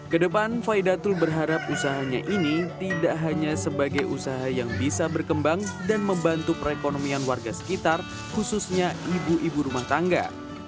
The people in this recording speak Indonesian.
kedepan faidatul berharap usahanya ini tidak hanya sebagai usaha yang bisa berkembang dan membantu perekonomian warga sekitar khususnya ibu ibu rumah tangga